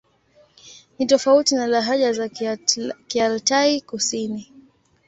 Ni tofauti na lahaja za Kialtai-Kusini.